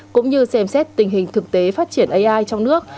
cũng như xem xét tình hình thực tế phát triển ai trong nước